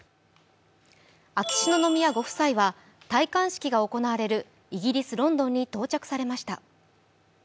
秋篠宮ご夫妻は戴冠式が行われるイギリス・ロンドンに到着されました。